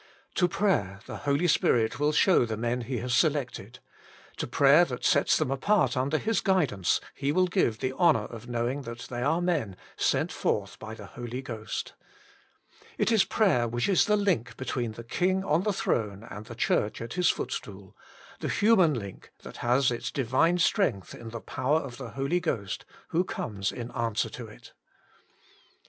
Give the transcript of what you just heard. To prayer the Holy Spirit will show the men He has selected ; to prayer that sets them apart under His guidance He will give the honour of knowing that they are men, " sent forth by the Holy Ghost." It is prayer which is the link between the King on the throne and the Church at His footstool the human link that has its divine strength in the power of the Holy Ghost, who comes in answer to it.